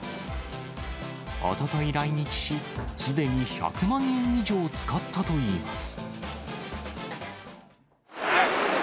おととい来日し、すでに１００万円以上使ったといいます。